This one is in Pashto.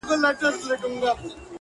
• زه به د خال او خط خبري كوم ـ